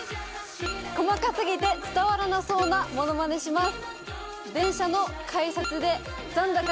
細かすぎて伝わらなそうなモノマネします